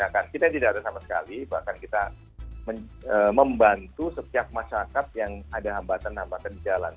kita tidak ada sama sekali bahkan kita membantu setiap masyarakat yang ada hambatan hambatan di jalan